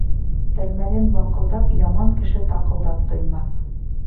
Тәлмәрйен баҡылдап, яман кеше таҡылдап туймаҫ.